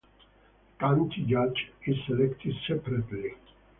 The County Judge is elected separately.